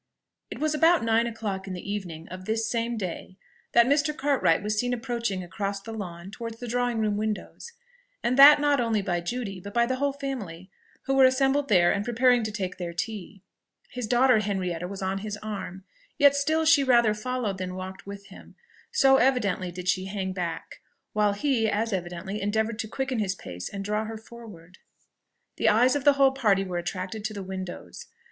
It was about nine o'clock in the evening of this same day, that Mr. Cartwright was seen approaching across the lawn towards the drawing room windows, and that not only by Judy, but by the whole family, who were assembled there and preparing to take their tea. His daughter Henrietta was on his arm; yet still she rather followed than walked with him, so evidently did she hang back, while he as evidently endeavoured to quicken his pace and draw her forward. The eyes of the whole party were attracted to the windows. Mrs.